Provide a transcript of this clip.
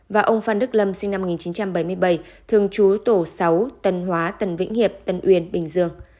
và ông phan đức lâm sinh năm một nghìn chín trăm bảy mươi bảy thường trú tổ sáu tân hóa tân vĩnh hiệp tân uyên bình dương